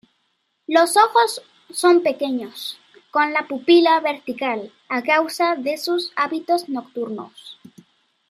Los ojos son pequeños, con la pupila vertical, a causa de sus hábitos nocturnos.